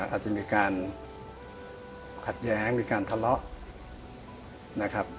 อาจจะมีการขัดแย้งมีการทะเลาะนะครับ